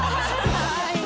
かわいい。